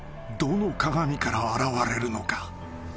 どの鏡から現れるのか？］